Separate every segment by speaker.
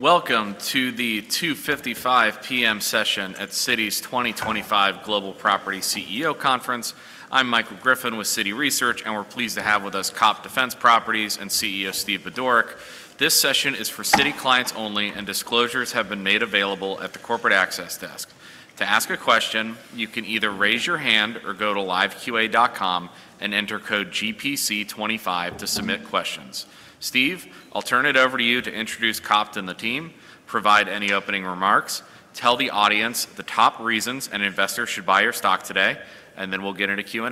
Speaker 1: Welcome to the 2:55 P.M. session at Citi's 2025 Global Property CEO Conference. I'm Michael Griffin with Citi Research, and we're pleased to have with us COPT Defense Properties and CEO Steve Budorick. This session is for Citi clients only, and disclosures have been made available at the Corporate Access Desk. To ask a question, you can either raise your hand or go to liveqa.com and enter code GPC25 to submit questions. Steve, I'll turn it over to you to introduce COPT and the team, provide any opening remarks, tell the audience the top reasons an investor should buy your stock today, and then we'll get into Q&A.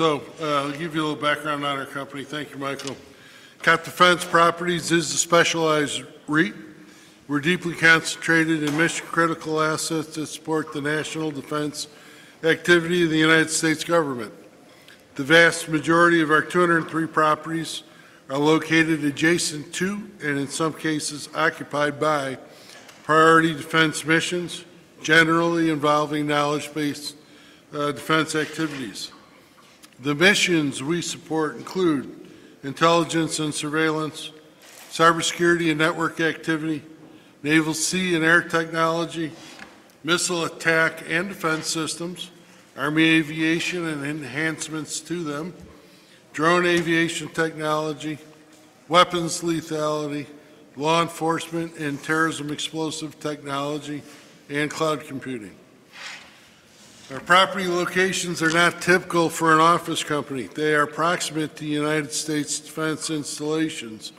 Speaker 2: I'll give you a little background on our company. Thank you, Michael. COPT Defense Properties is a specialized REIT. We're deeply concentrated in mission-critical assets that support the national defense activity of the United States government. The vast majority of our 203 properties are located adjacent to, and in some cases occupied by, priority defense missions, generally involving knowledge-based defense activities. The missions we support include intelligence and surveillance, cybersecurity and network activity, naval, sea, and air technology, missile attack and defense systems, army aviation and enhancements to them, drone aviation technology, weapons lethality, law enforcement and terrorism explosive technology, and cloud computing. Our property locations are not typical for an office company. They are proximate to United States defense installations,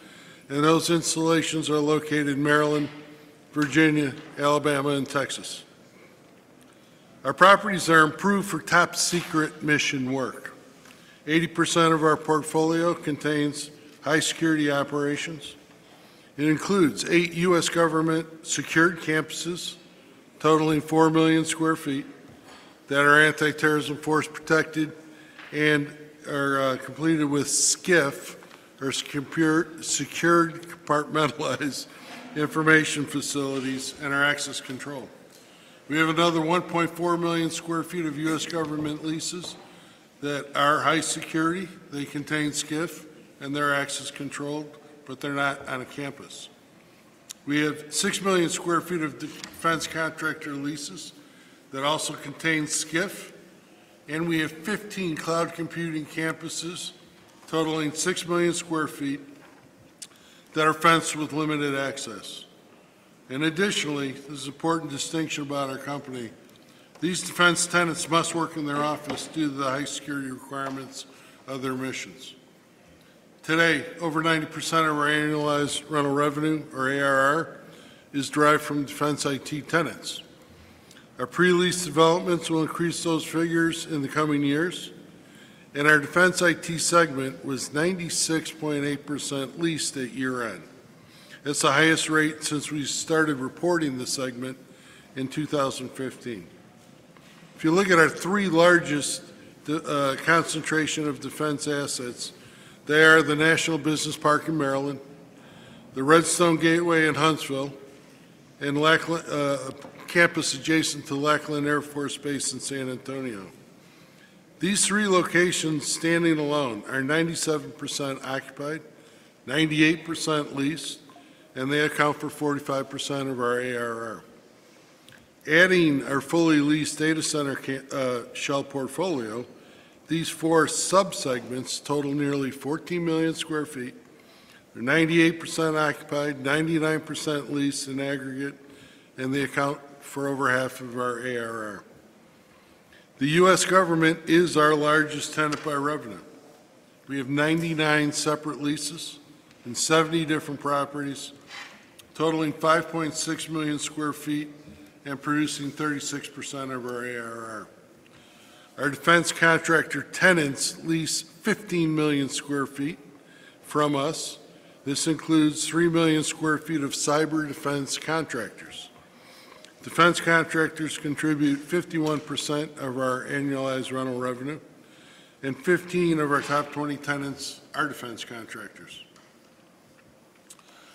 Speaker 2: and those installations are located in Maryland, Virginia, Alabama, and Texas. Our properties are improved for top secret mission work. 80% of our portfolio contains high security operations. It includes eight U.S. government secured campuses, totaling 4 million sq ft, that are anti-terrorism force protected and are completed with SCIF, or Secured Compartmentalized Information Facilities, and our access controlled. We have another 1.4 million sq ft of U.S. government leases that are high security. They contain SCIF, and they're access controlled, but they're not on a campus. We have 6 million sq ft of defense contractor leases that also contain SCIF, and we have 15 cloud computing campuses, totaling 6 million sq ft, that are fenced with limited access. And additionally, this is an important distinction about our company. These defense tenants must work in their office due to the high security requirements of their missions. Today, over 90% of our annualized rental revenue, or ARR, is derived from Defense IT tenants. Our pre-lease developments will increase those figures in the coming years, and our Defense IT segment was 96.8% leased at year-end. That's the highest rate since we started reporting the segment in 2015. If you look at our three largest concentrations of defense assets, they are the National Business Park in Maryland, the Redstone Gateway in Huntsville, and a campus adjacent to Lackland Air Force Base in San Antonio. These three locations, standing alone, are 97% occupied, 98% leased, and they account for 45% of our ARR. Adding our fully leased data center shell portfolio, these four subsegments total nearly 14 million sq ft. They're 98% occupied, 99% leased in aggregate, and they account for over half of our ARR. The U.S. government is our largest tenant by revenue. We have 99 separate leases in 70 different properties, totaling 5.6 million sq ft and producing 36% of our ARR. Our defense contractor tenants lease 15 million sq ft from us. This includes 3 million sq ft of cyber defense contractors. Defense contractors contribute 51% of our annualized rental revenue, and 15 of our top 20 tenants are defense contractors.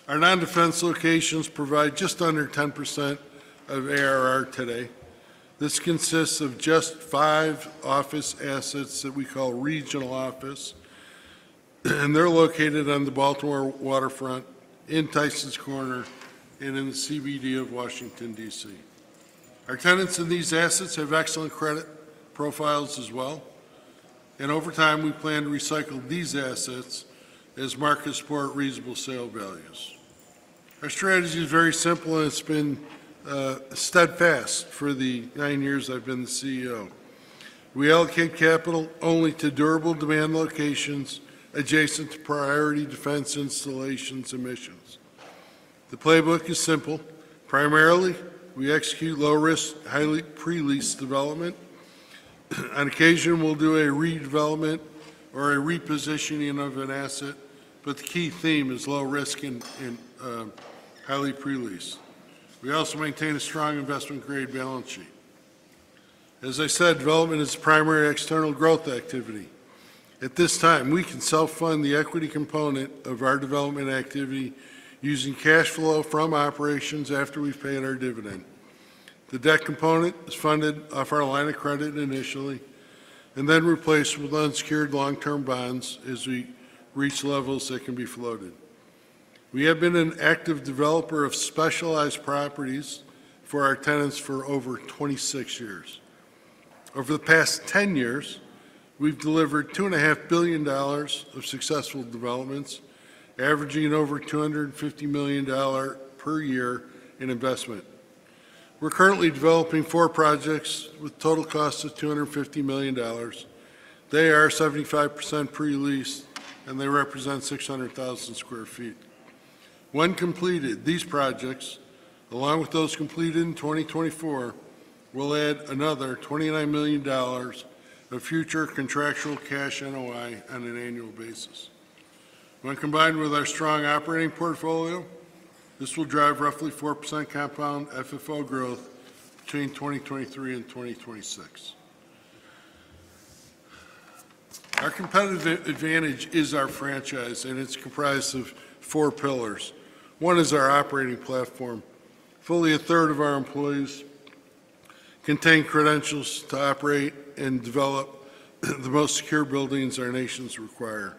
Speaker 2: Our non-defense locations provide just under 10% of ARR today. This consists of just five office assets that we call Regional Office, and they're located on the Baltimore Waterfront, in Tysons Corner, and in the CBD of Washington, D.C. Our tenants in these assets have excellent credit profiles as well, and over time, we plan to recycle these assets as markets support reasonable sale values. Our strategy is very simple, and it's been steadfast for the nine years I've been the CEO. We allocate capital only to durable demand locations adjacent to priority defense installations and missions. The playbook is simple. Primarily, we execute low-risk, highly pre-leased development. On occasion, we'll do a redevelopment or a repositioning of an asset, but the key theme is low risk and highly pre-leased. We also maintain a strong investment-grade balance sheet. As I said, development is a primary external growth activity. At this time, we can self-fund the equity component of our development activity using cash flow from operations after we've paid our dividend. The debt component is funded off our line of credit initially and then replaced with unsecured long-term bonds as we reach levels that can be floated. We have been an active developer of specialized properties for our tenants for over 26 years. Over the past 10 years, we've delivered $2.5 billion of successful developments, averaging over $250 million per year in investment. We're currently developing four projects with total costs of $250 million. They are 75% pre-leased, and they represent 600,000 sq ft. When completed, these projects, along with those completed in 2024, will add another $29 million of future contractual cash NOI on an annual basis. When combined with our strong operating portfolio, this will drive roughly 4% compound FFO growth between 2023 and 2026. Our competitive advantage is our franchise, and it's comprised of four pillars. One is our operating platform. Fully, 1/3 of our employees contain credentials to operate and develop the most secure buildings our nation's require.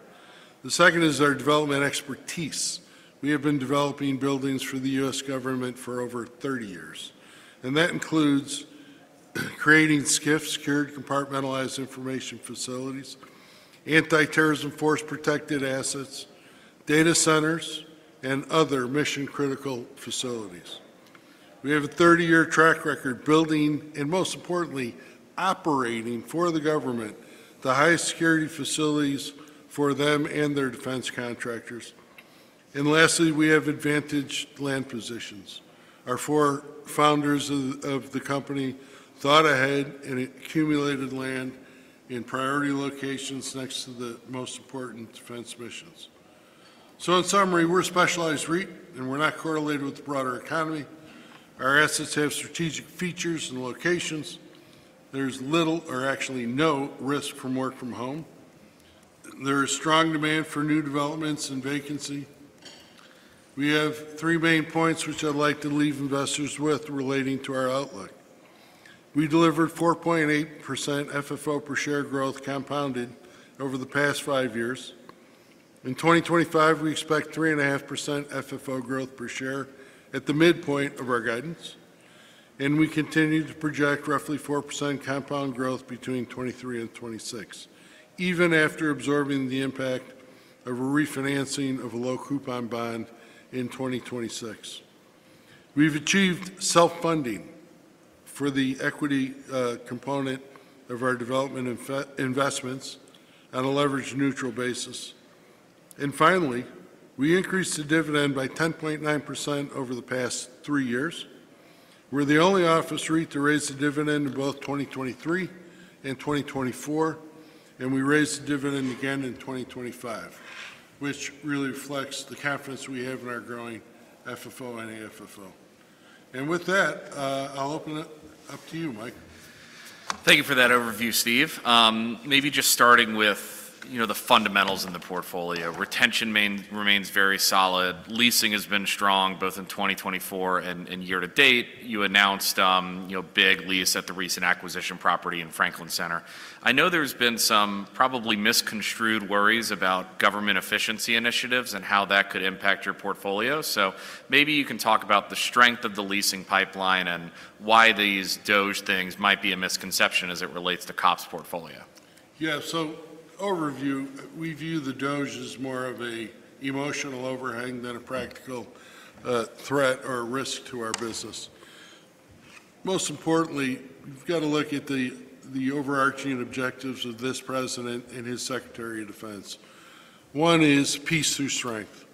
Speaker 2: The second is our development expertise. We have been developing buildings for the U.S. government for over 30 years, and that includes creating SCIF, Secured Compartmentalized Information Facilities, anti-terrorism force protected assets, data centers, and other mission-critical facilities. We have a 30-year track record building, and most importantly, operating for the government the highest security facilities for them and their defense contractors. And lastly, we have advantaged land positions. Our four founders of the company thought ahead and accumulated land in priority locations next to the most important defense missions. So in summary, we're a specialized REIT, and we're not correlated with the broader economy. Our assets have strategic features and locations. There's little, or actually no risk from work from home. There is strong demand for new developments and vacancy. We have three main points which I'd like to leave investors with relating to our outlook. We delivered 4.8% FFO per share growth compounded over the past five years. In 2025, we expect 3.5% FFO growth per share at the midpoint of our guidance, and we continue to project roughly 4% compound growth between 2023 and 2026, even after absorbing the impact of a refinancing of a low-coupon bond in 2026. We've achieved self-funding for the equity component of our development investments on a leveraged neutral basis. And finally, we increased the dividend by 10.9% over the past three years. We're the only office REIT to raise the dividend in both 2023 and 2024, and we raised the dividend again in 2025, which really reflects the confidence we have in our growing FFO and AFFO. And with that, I'll open it up to you, Mike.
Speaker 1: Thank you for that overview, Steve. Maybe just starting with the fundamentals in the portfolio. Retention remains very solid. Leasing has been strong both in 2024 and year to date. You announced big lease at the recent acquisition property in Franklin Center. I know there's been some probably misconstrued worries about government efficiency initiatives and how that could impact your portfolio. So maybe you can talk about the strength of the leasing pipeline and why these DOGE things might be a misconception as it relates to COPT's portfolio.
Speaker 2: Yeah, so overview, we view the DOGE as more of an emotional overhang than a practical threat or risk to our business. Most importantly, you've got to look at the overarching objectives of this President and his Secretary of Defense. One is peace through strength.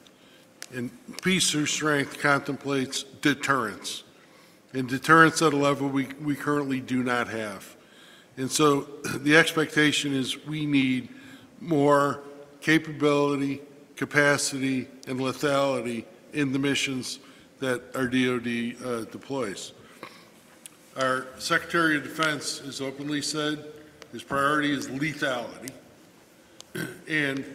Speaker 2: And peace through strength contemplates deterrence, and deterrence at a level we currently do not have. And so the expectation is we need more capability, capacity, and lethality in the missions that our DOD deploys. Our Secretary of Defense, as openly said, his priority is lethality. And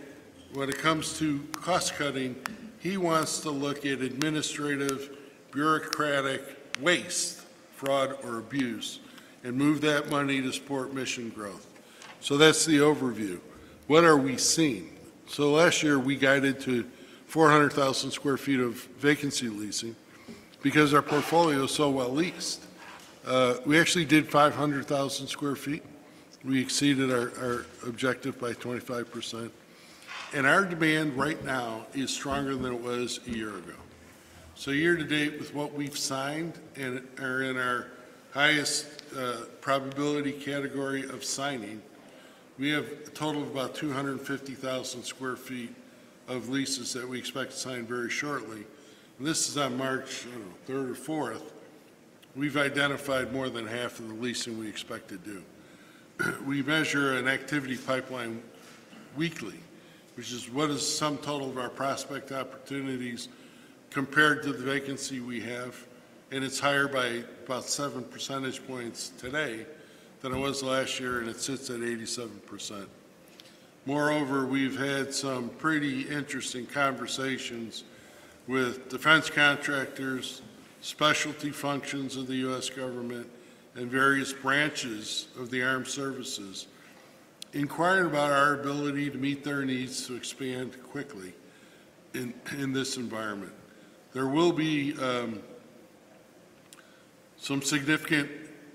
Speaker 2: when it comes to cost-cutting, he wants to look at administrative bureaucratic waste, fraud, or abuse, and move that money to support mission growth. So that's the overview. What are we seeing? So last year, we guided to 400,000 sq ft of vacancy leasing because our portfolio is so well leased. We actually did 500,000 sq ft. We exceeded our objective by 25%. And our demand right now is stronger than it was a year ago. So year to date, with what we've signed and are in our highest probability category of signing, we have a total of about 250,000 sq ft of leases that we expect to sign very shortly. And this is on March, I don't know, 3rd or 4th. We've identified more than half of the leasing we expect to do. We measure an activity pipeline weekly, which is what is the sum total of our prospect opportunities compared to the vacancy we have, and it's higher by about 7 percentage points today than it was last year, and it sits at 87%. Moreover, we've had some pretty interesting conversations with defense contractors, specialty functions of the U.S. government, and various branches of the armed services inquiring about our ability to meet their needs to expand quickly in this environment. There will be some significant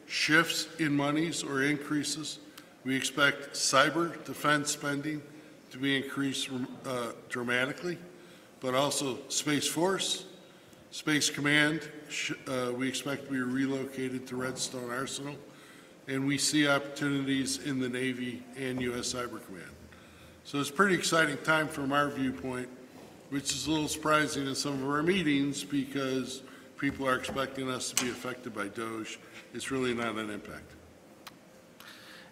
Speaker 2: shifts in monies or increases. We expect cyber defense spending to be increased dramatically, but also Space Force, Space Command, we expect to be relocated to Redstone Arsenal, and we see opportunities in the Navy and U.S. Cyber Command. So it's a pretty exciting time from our viewpoint, which is a little surprising in some of our meetings because people are expecting us to be affected by DOGE. It's really not an impact.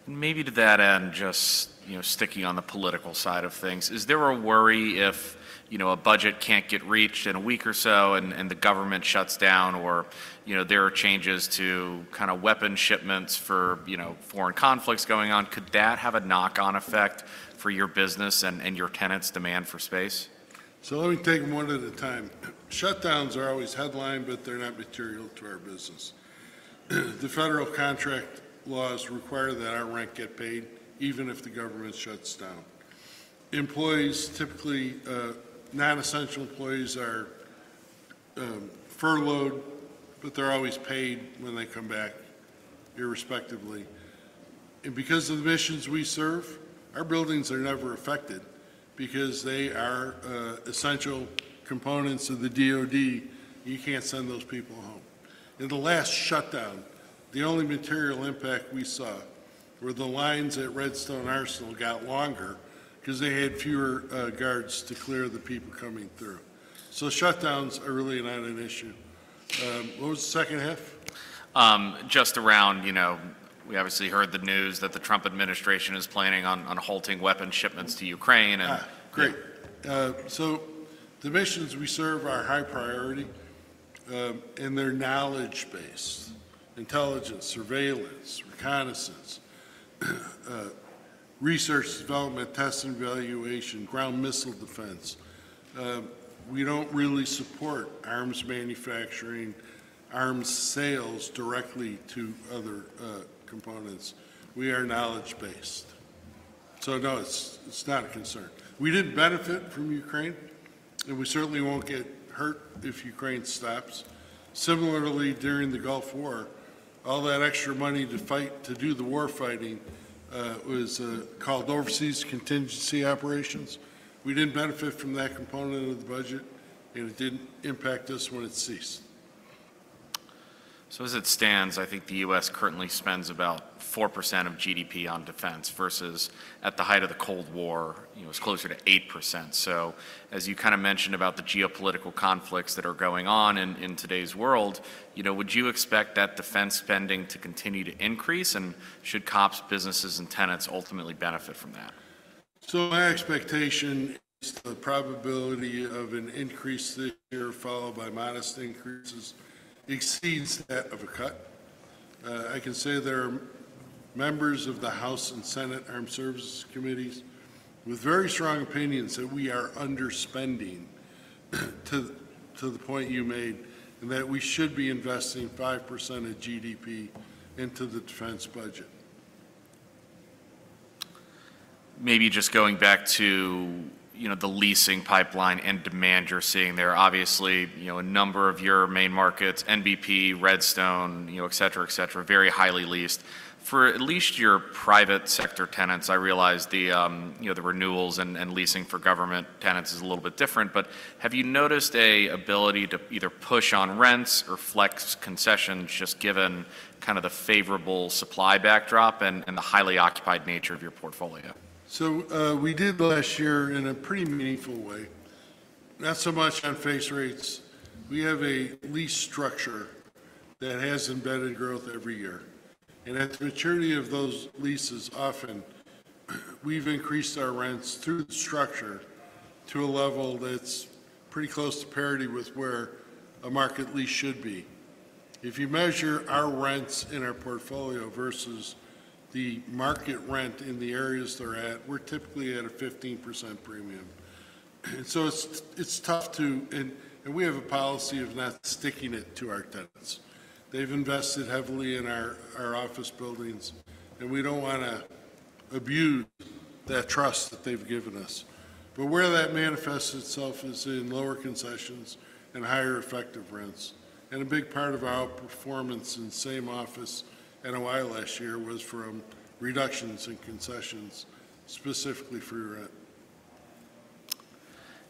Speaker 1: Maybe to that end, just sticking on the political side of things, is there a worry if a budget can't get reached in a week or so and the government shuts down or there are changes to kind of weapon shipments for foreign conflicts going on? Could that have a knock-on effect for your business and your tenants' demand for space?
Speaker 2: Let me take them one at a time. Shutdowns are always headline, but they're not material to our business. The federal contract laws require that our rent get paid even if the government shuts down. Employees, typically non-essential employees, are furloughed, but they're always paid when they come back irrespectively. And because of the missions we serve, our buildings are never affected because they are essential components of the DOD. You can't send those people home. In the last shutdown, the only material impact we saw were the lines at Redstone Arsenal got longer because they had fewer guards to clear the people coming through. Shutdowns are really not an issue. What was the second half?
Speaker 1: Just around, we obviously heard the news that the Trump administration is planning on halting weapons shipments to Ukraine and.
Speaker 2: Great. So the missions we serve are high priority in their knowledge base, intelligence, surveillance, reconnaissance, research, development, testing, evaluation, ground missile defense. We don't really support arms manufacturing, arms sales directly to other components. We are knowledge-based. So no, it's not a concern. We didn't benefit from Ukraine, and we certainly won't get hurt if Ukraine stops. Similarly, during the Gulf War, all that extra money to fight to do the war fighting was called overseas contingency operations. We didn't benefit from that component of the budget, and it didn't impact us when it ceased.
Speaker 1: So as it stands, I think the U.S. currently spends about 4% of GDP on defense versus at the height of the Cold War, it was closer to 8%. So as you kind of mentioned about the geopolitical conflicts that are going on in today's world, would you expect that defense spending to continue to increase, and should COPT's businesses and tenants ultimately benefit from that?
Speaker 2: So my expectation is the probability of an increase this year followed by modest increases exceeds that of a cut. I can say there are members of the House and Senate Armed Services Committees with very strong opinions that we are underspending to the point you made and that we should be investing 5% of GDP into the defense budget.
Speaker 1: Maybe just going back to the leasing pipeline and demand you're seeing there, obviously a number of your main markets, NBP, Redstone, et cetera, et cetera, very highly leased. For at least your private sector tenants, I realize the renewals and leasing for government tenants is a little bit different, but have you noticed an ability to either push on rents or flex concessions just given kind of the favorable supply backdrop and the highly occupied nature of your portfolio?
Speaker 2: So we did last year in a pretty meaningful way, not so much on face rates. We have a lease structure that has embedded growth every year. And at the maturity of those leases often, we've increased our rents through the structure to a level that's pretty close to parity with where a market lease should be. If you measure our rents in our portfolio versus the market rent in the areas they're at, we're typically at a 15% premium. And so it's tough to, and we have a policy of not sticking it to our tenants. They've invested heavily in our office buildings, and we don't want to abuse that trust that they've given us. But where that manifests itself is in lower concessions and higher effective rents. A big part of our performance in same office NOI last year was from reductions in concessions specifically for your rent.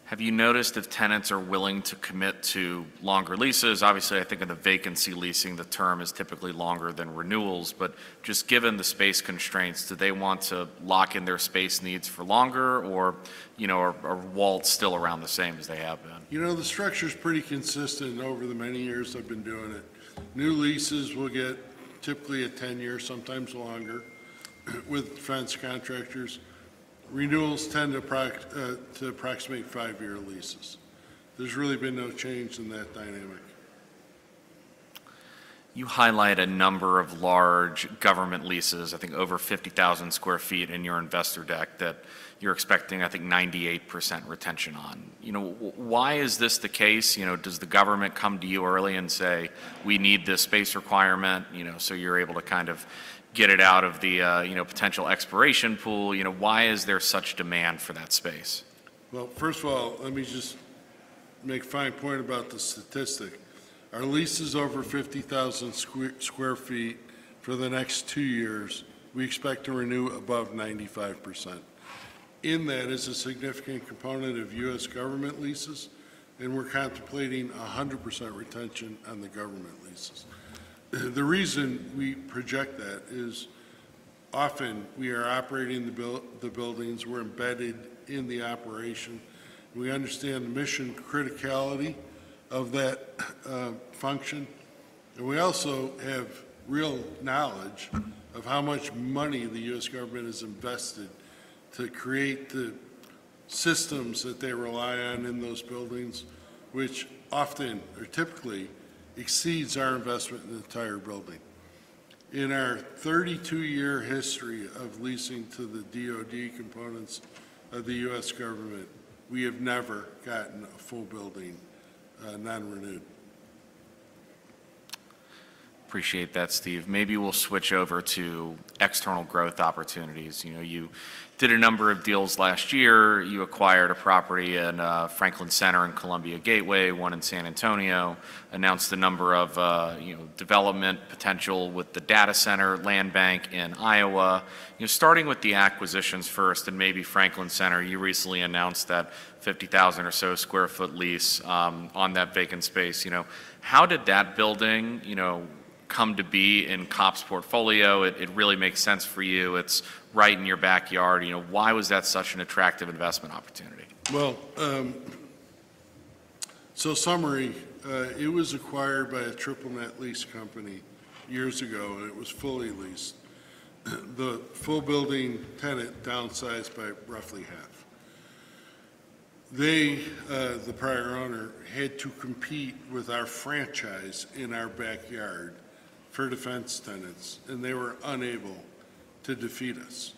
Speaker 1: Have you noticed if tenants are willing to commit to longer leases? Obviously, I think in the vacancy leasing, the term is typically longer than renewals, but just given the space constraints, do they want to lock in their space needs for longer or are terms still around the same as they have been?
Speaker 2: You know, the structure is pretty consistent over the many years I've been doing it. New leases will get typically a 10-year, sometimes longer with defense contractors. Renewals tend to approximate five-year leases. There's really been no change in that dynamic.
Speaker 1: You highlight a number of large government leases, I think over 50,000 sq ft in your investor deck that you're expecting, I think, 98% retention on. Why is this the case? Does the government come to you early and say, "We need this space requirement," so you're able to kind of get it out of the potential expiration pool? Why is there such demand for that space?
Speaker 2: First of all, let me just make a fine point about the statistic. Our lease is over 50,000 sq ft for the next two years. We expect to renew above 95%. In that is a significant component of U.S. government leases, and we're contemplating 100% retention on the government leases. The reason we project that is often we are operating the buildings, we're embedded in the operation, we understand the mission criticality of that function, and we also have real knowledge of how much money the U.S. government has invested to create the systems that they rely on in those buildings, which often or typically exceeds our investment in the entire building. In our 32-year history of leasing to the DOD components of the U.S. government, we have never gotten a full building non-renewed.
Speaker 1: Appreciate that, Steve. Maybe we'll switch over to external growth opportunities. You did a number of deals last year. You acquired a property in Franklin Center and Columbia Gateway, one in San Antonio, announced a number of development potential with the data center land bank in Iowa. Starting with the acquisitions first and maybe Franklin Center, you recently announced that 50,000 sq ft lease on that vacant space. How did that building come to be in COPT's portfolio? It really makes sense for you. It's right in your backyard. Why was that such an attractive investment opportunity?
Speaker 2: It was acquired by a triple net lease company years ago, and it was fully leased. The full building tenant downsized by roughly half. They, the prior owner, had to compete with our franchise in our backyard for defense tenants, and they were unable to defeat us,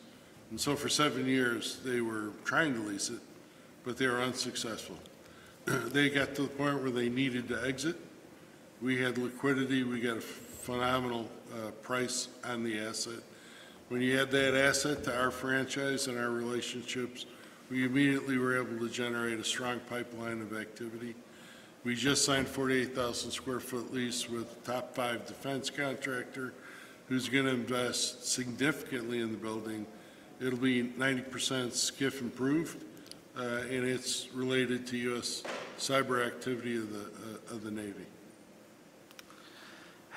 Speaker 2: so for seven years, they were trying to lease it, but they were unsuccessful. They got to the point where they needed to exit. We had liquidity. We got a phenomenal price on the asset. When you had that asset to our franchise and our relationships, we immediately were able to generate a strong pipeline of activity. We just signed 48,000 sq ft lease with top five defense contractor who's going to invest significantly in the building. It'll be 90% SCIF improved, and it's related to U.S. cyber activity of the Navy.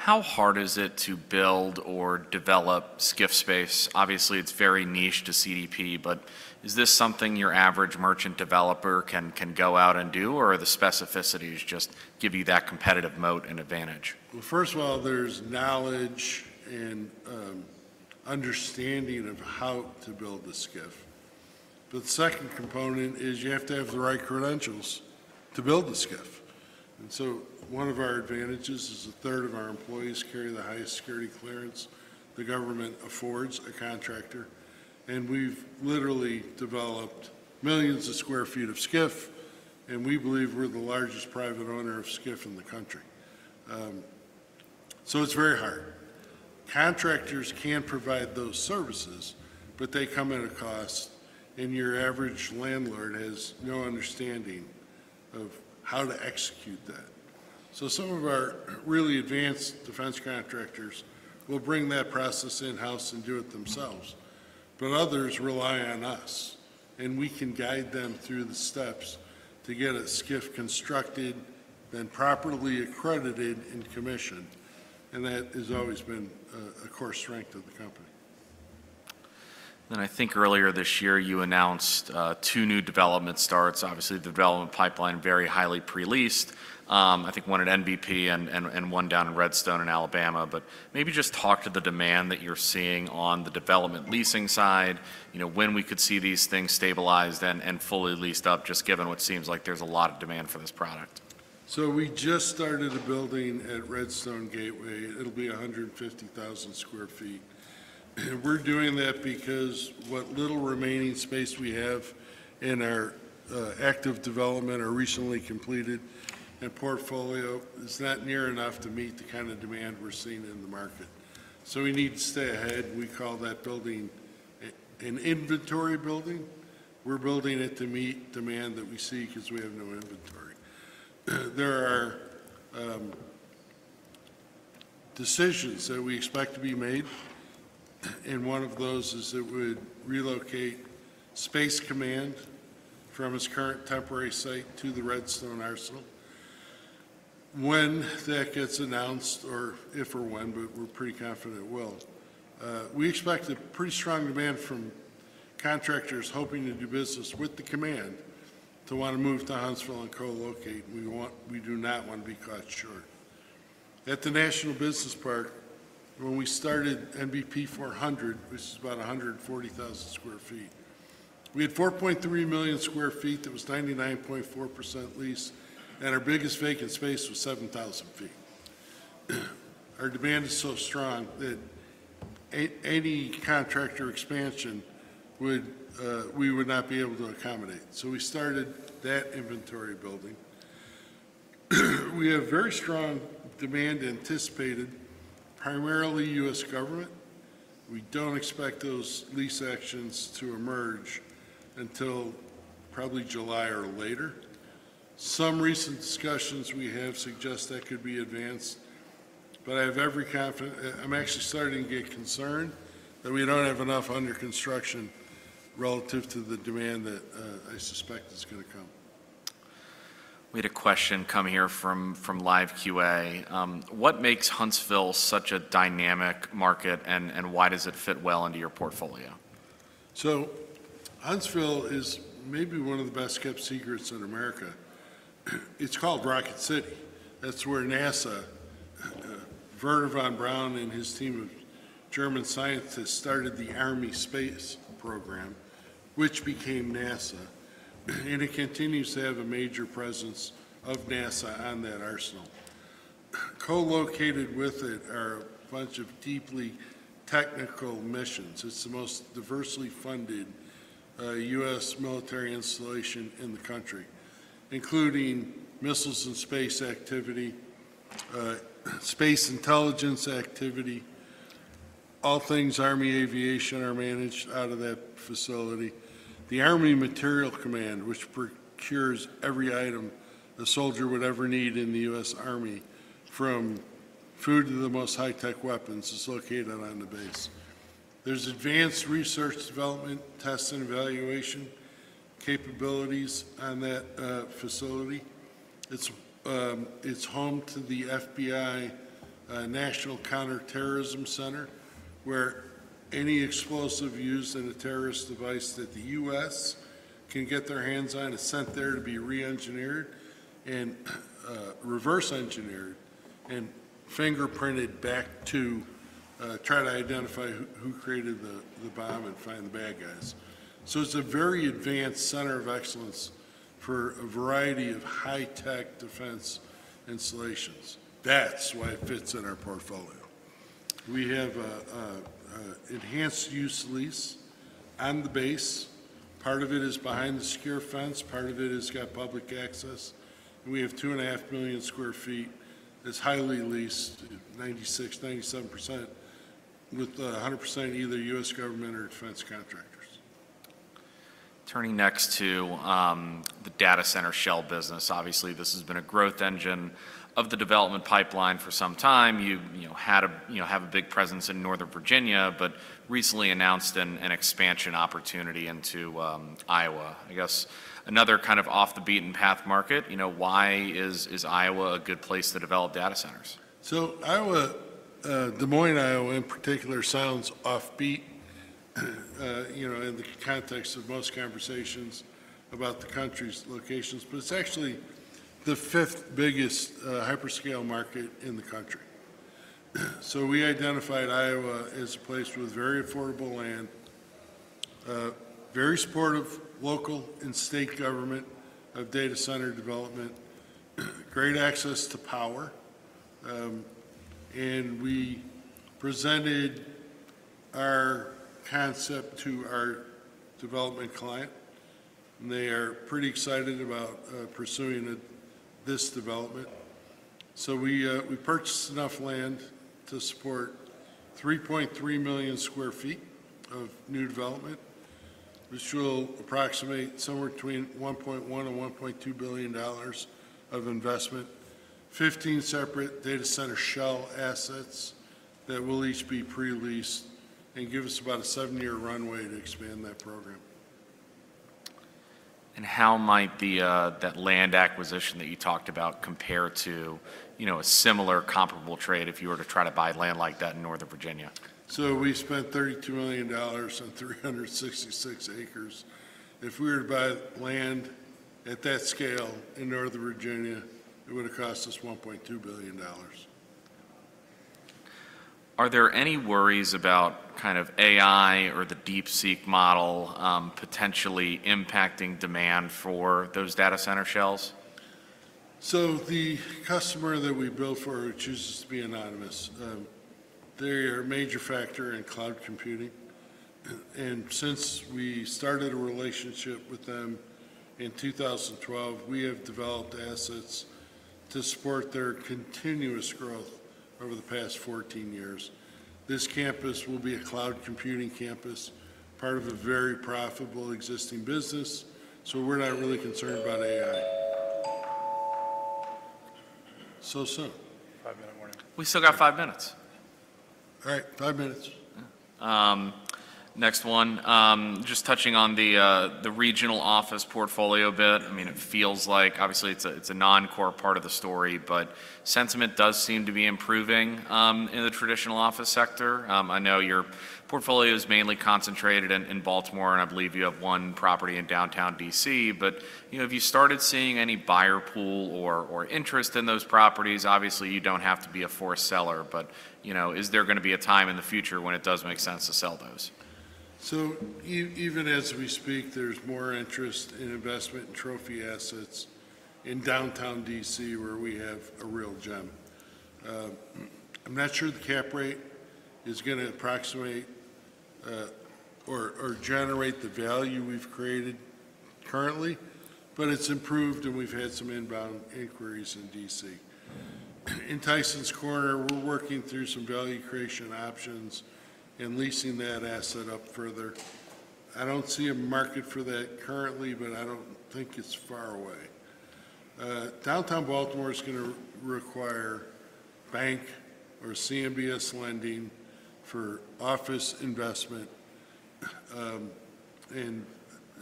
Speaker 1: How hard is it to build or develop SCIF space? Obviously, it's very niche to CDP, but is this something your average merchant developer can go out and do, or are the specificities just give you that competitive moat and advantage?
Speaker 2: First of all, there's knowledge and understanding of how to build the SCIF. The second component is you have to have the right credentials to build the SCIF. One of our advantages is 1/3 of our employees carry the highest security clearance the government affords a contractor, and we've literally developed millions of square feet of SCIF, and we believe we're the largest private owner of SCIF in the country. It's very hard. Contractors can provide those services, but they come at a cost, and your average landlord has no understanding of how to execute that. So some of our really advanced defense contractors will bring that process in-house and do it themselves, but others rely on us, and we can guide them through the steps to get a SCIF constructed, then properly accredited and commissioned, and that has always been a core strength of the company.
Speaker 1: I think earlier this year, you announced two new development starts, obviously the development pipeline very highly pre-leased, I think one at NBP and one down in Redstone in Alabama, but maybe just talk to the demand that you're seeing on the development leasing side, when we could see these things stabilized and fully leased up just given what seems like there's a lot of demand for this product.
Speaker 2: So we just started a building at Redstone Gateway. It'll be 150,000 sq ft. And we're doing that because what little remaining space we have in our active development or recently completed portfolio is not near enough to meet the kind of demand we're seeing in the market. So we need to stay ahead. We call that building an inventory building. We're building it to meet demand that we see because we have no inventory. There are decisions that we expect to be made, and one of those is that we would relocate Space Command from its current temporary site to the Redstone Arsenal. When that gets announced, or if or when, but we're pretty confident it will, we expect a pretty strong demand from contractors hoping to do business with the command to want to move to Huntsville and co-locate. We do not want to be caught short. At the National Business Park, when we started NBP 400, which is about 140,000 sq ft, we had 4.3 million sq ft that was 99.4% leased, and our biggest vacant space was 7,000 sq ft. Our demand is so strong that any contractor expansion we would not be able to accommodate. So we started that inventory building. We have very strong demand anticipated, primarily U.S. government. We don't expect those lease actions to emerge until probably July or later. Some recent discussions we have suggest that could be advanced, but I have every confidence. I'm actually starting to get concerned that we don't have enough under construction relative to the demand that I suspect is going to come.
Speaker 1: We had a question come here from Live QA. What makes Huntsville such a dynamic market, and why does it fit well into your portfolio?
Speaker 2: Huntsville is maybe one of the best kept secrets in America. It's called Rocket City. That's where NASA, Wernher von Braun and his team of German scientists started the Army Space Program, which became NASA, and it continues to have a major presence of NASA on that arsenal. Co-located with it are a bunch of deeply technical missions. It's the most diversely funded U.S. military installation in the country, including missiles and space activity, space intelligence activity, all things army aviation are managed out of that facility. The Army Materiel Command, which procures every item a soldier would ever need in the U.S. Army, from food to the most high-tech weapons, is located on the base. There's advanced research, development, test, and evaluation capabilities on that facility. It's home to the FBI National Counterterrorism Center, where any explosive used in a terrorist device that the U.S. Can get their hands on is sent there to be re-engineered and reverse-engineered and fingerprinted back to try to identify who created the bomb and find the bad guys. So it's a very advanced center of excellence for a variety of high-tech defense installations. That's why it fits in our portfolio. We have an enhanced use lease on the base. Part of it is behind the secure fence. Part of it has got public access. We have 2.5 million sq ft that's highly leased, 96%-97% with 100% either U.S. government or defense contractors.
Speaker 1: Turning next to the data center shell business. Obviously, this has been a growth engine of the development pipeline for some time. You have a big presence in Northern Virginia, but recently announced an expansion opportunity into Iowa. I guess another kind of off-the-beaten-path market. Why is Iowa a good place to develop data centers?
Speaker 2: Iowa, Des Moines, Iowa in particular, sounds off-beat in the context of most conversations about the country's locations, but it's actually the fifth biggest hyperscale market in the country. We identified Iowa as a place with very affordable land, very supportive local and state government of data center development, great access to power, and we presented our concept to our development client, and they are pretty excited about pursuing this development. We purchased enough land to support 3.3 million sq ft of new development, which will approximate somewhere between $1.1 billion and $1.2 billion of investment, 15 separate data center shell assets that will each be pre-leased and give us about a seven-year runway to expand that program.
Speaker 1: How might that land acquisition that you talked about compare to a similar comparable trade if you were to try to buy land like that in Northern Virginia?
Speaker 2: So we spent $32 million on 366 acres. If we were to buy land at that scale in Northern Virginia, it would have cost us $1.2 billion.
Speaker 1: Are there any worries about kind of AI or the DeepSeek model potentially impacting demand for those data center shells?
Speaker 2: So the customer that we build for chooses to be anonymous. They are a major factor in cloud computing, and since we started a relationship with them in 2012, we have developed assets to support their continuous growth over the past 14 years. This campus will be a cloud computing campus, part of a very profitable existing business, so we're not really concerned about AI. So soon.
Speaker 1: Five minutes, morning. We still got five minutes.
Speaker 2: All right, five minutes.
Speaker 1: Next one. Just touching on the Regional Office portfolio bit. I mean, it feels like obviously it's a non-core part of the story, but sentiment does seem to be improving in the traditional office sector. I know your portfolio is mainly concentrated in Baltimore, and I believe you have one property in downtown D.C., but have you started seeing any buyer pool or interest in those properties? Obviously, you don't have to be a forced seller, but is there going to be a time in the future when it does make sense to sell those?
Speaker 2: So even as we speak, there's more interest in investment in trophy assets in downtown D.C. where we have a real gem. I'm not sure the cap rate is going to approximate or generate the value we've created currently, but it's improved, and we've had some inbound inquiries in D.C. In Tysons Corner, we're working through some value creation options and leasing that asset up further. I don't see a market for that currently, but I don't think it's far away. Downtown Baltimore is going to require bank or CMBS lending for office investment, and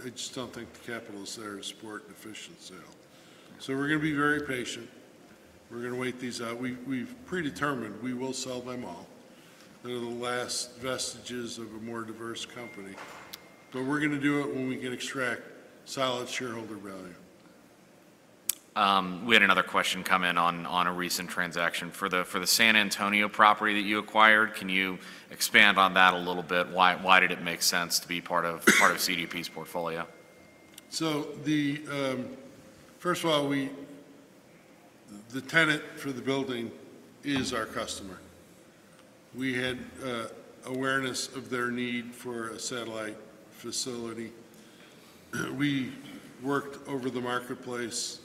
Speaker 2: I just don't think the capital is there to support an efficient sale. So we're going to be very patient. We're going to wait these out. We've predetermined we will sell them all. They're the last vestiges of a more diverse company, but we're going to do it when we can extract solid shareholder value.
Speaker 1: We had another question come in on a recent transaction. For the San Antonio property that you acquired, can you expand on that a little bit? Why did it make sense to be part of CDP's portfolio?
Speaker 2: First of all, the tenant for the building is our customer. We had awareness of their need for a satellite facility. We worked over the marketplace,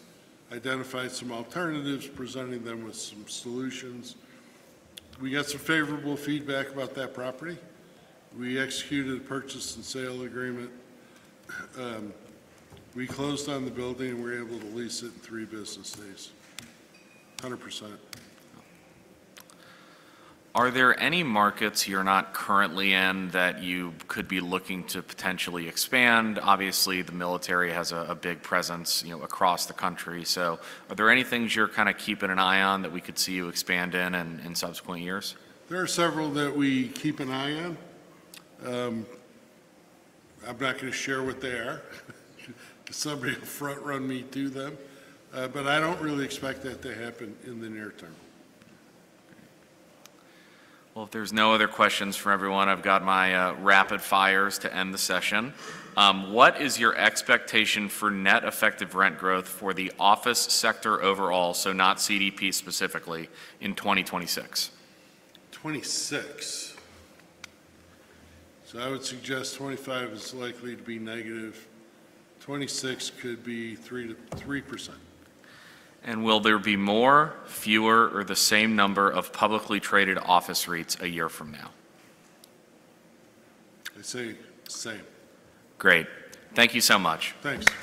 Speaker 2: identified some alternatives, presenting them with some solutions. We got some favorable feedback about that property. We executed a purchase and sale agreement. We closed on the building, and we were able to lease it in three business days. 100%.
Speaker 1: Are there any markets you're not currently in that you could be looking to potentially expand? Obviously, the military has a big presence across the country. So are there any things you're kind of keeping an eye on that we could see you expand in in subsequent years?
Speaker 2: There are several that we keep an eye on. I'm not going to share what they are. Somebody will front-run me to them, but I don't really expect that to happen in the near term.
Speaker 1: If there's no other questions from everyone, I've got my rapid fires to end the session. What is your expectation for net effective rent growth for the office sector overall, so not CDP specifically, in 2026?
Speaker 2: So I would suggest 2025 is likely to be negative.2026 could be 3%.
Speaker 1: Will there be more, fewer, or the same number of publicly traded office REITs a year from now?
Speaker 2: I'd say same.
Speaker 1: Great. Thank you so much.
Speaker 2: Thanks.